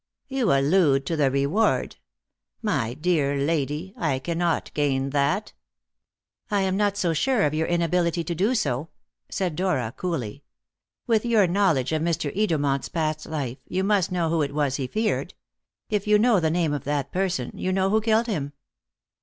"You allude to the reward. My dear lady, I cannot gain that." "I am not so sure of your inability to do so," said Dora coolly. "With your knowledge of Mr. Edermont's past life, you must know who it was he feared. If you know the name of that person, you know who killed him.